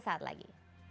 sampai jumpa lagi